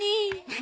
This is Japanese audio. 何？